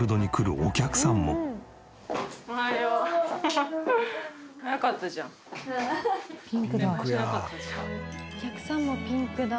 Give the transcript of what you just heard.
お客さんもピンクだ。